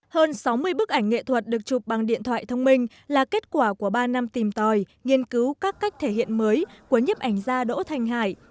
hơn sáu mươi bức ảnh nghệ thuật được chụp bằng điện thoại thông minh là kết quả của ba năm tìm tòi nghiên cứu các cách thể hiện mới của nhiếp ảnh gia đỗ thành hải